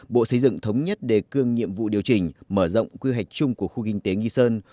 bộ xây dựng thống nhất đề cương nhiệm vụ điều chỉnh mở rộng quy hoạch chung của khu kinh tế nghi sơn